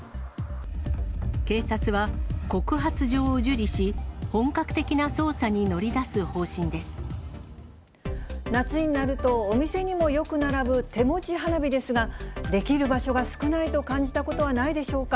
警察は告発状を受理し、夏になると、お店にもよく並ぶ手持ち花火ですが、できる場所が少ないと感じたことはないでしょうか。